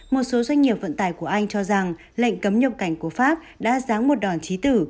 một số doanh nghiệp vận tải của anh cho rằng lệnh cấm nhập cảnh của pháp đã ráng một đòn trí tử